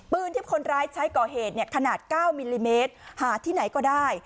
ที่คนร้ายใช้ก่อเหตุเนี่ยขนาด๙มิลลิเมตรหาที่ไหนก็ได้